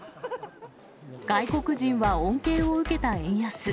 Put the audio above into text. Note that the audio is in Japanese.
外国人は恩恵を受けた円安。